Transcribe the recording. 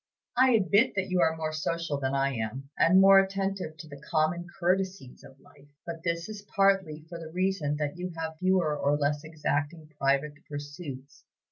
I admit that you are more social than I am, and more attentive to 'the common courtesies of life;' but this is partly for the reason that you have fewer or less exacting private pursuits.